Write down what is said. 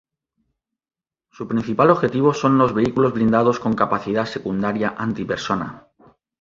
Su principal objetivo son los vehículos blindados con capacidad secundaria antipersona.